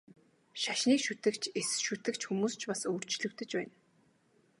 Шашныг шүтэгч, эс шүтэгч хүмүүс ч бас өөрчлөгдөж байна.